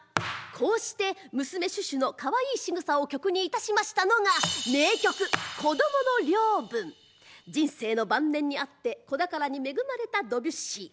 こうして娘シュシュのかわいいしぐさを曲にいたしましたのが人生の晩年にあって子宝に恵まれたドビュッシー。